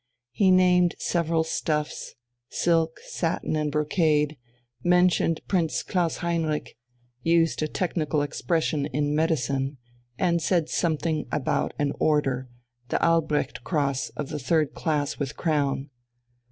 He named several stuffs, silk, satin, and brocade, mentioned Prince Klaus Heinrich, used a technical expression in medicine, and said something about an Order, the Albrecht Cross of the Third Class with Crown.